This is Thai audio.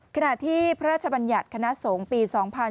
ขณะที่พระราชบัญญัติคณะสงฆ์ปี๒๕๕๙